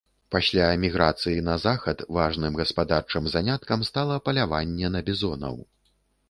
Пасля міграцыі на захад важным гаспадарчым заняткам стала паляванне на бізонаў.